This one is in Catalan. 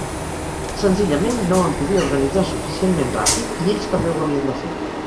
Senzillament no em podia organitzar suficientment ràpid, i ells també ho havien de fer.